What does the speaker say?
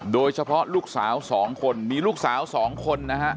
โดยเฉพาะลูกสาว๒คนมีลูกสาว๒คนนะฮะ